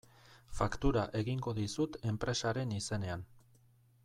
Faktura egingo dizut enpresaren izenean.